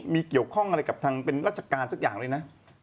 มีเกี่ยวข้องอะไรกับทางเป็นราชการสักอย่างเลยนะ